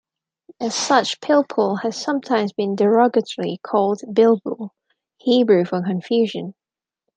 As such, "pilpul" has sometimes been derogatorily called "bilbul", Hebrew for "confusion".